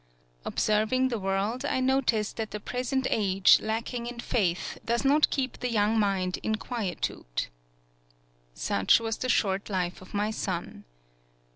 Observing the world, I notice that the present age, lacking in faith, does not keep the young mind in quietude. 142 TSUGARU STRAIT Such was the short life of my son.